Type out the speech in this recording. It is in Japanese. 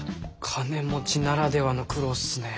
金持ちならではの苦労っすね。